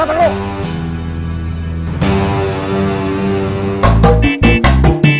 gak perlu mau kasih minta seneng